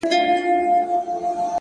د هدف وضاحت فکر منظموي.!